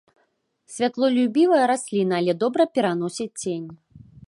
Святлолюбівая расліна, але добра пераносіць цень.